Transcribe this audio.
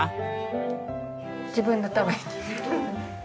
自分のために。